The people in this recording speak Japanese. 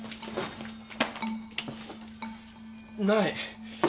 ない！？